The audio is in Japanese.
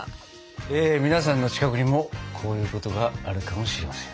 え皆さんの近くにもこういうことがあるかもしれません。